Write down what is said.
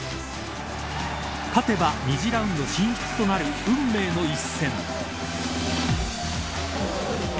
勝てば２次ラウンド進出となる運命の一戦。